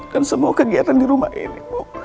dan semua kegiatan di rumah ini